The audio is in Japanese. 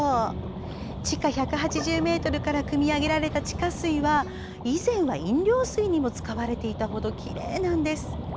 地下１８０ｍからくみ上げられた地下水は以前は飲料水にも使われていたほどきれいなんです。